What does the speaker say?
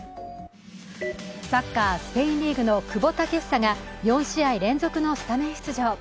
サッカー・スペインリーグの久保建英が４試合連続のスタメン出場。